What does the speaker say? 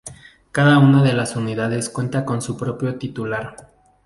Cada una de las unidades cuenta con su propio titular.